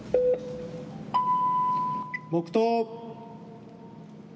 黙とう。